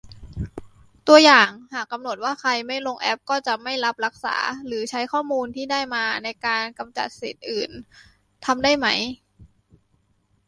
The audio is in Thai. ตัวอย่าง : หากกำหนดว่าใครไม่ลงแอปก็จะไม่รับรักษา หรือใช้ข้อมูลที่ได้มาในการกำจัดสิทธิ์อื่น ทำได้ไหม ?